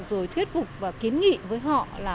rồi thuyết phục và kiến nghị với họ